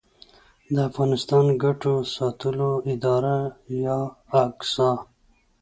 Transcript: د افغانستان ګټو ساتلو اداره یا اګسا